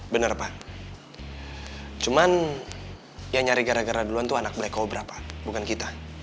benar pak cuman yang nyari gara gara duluan tuh anak black cobra pak bukan kita